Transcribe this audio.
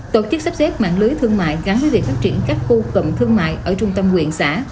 tổ chức sắp xếp mạng lưới thương mại gắn với việc phát triển các khu cụm thương mại ở trung tâm quyện xã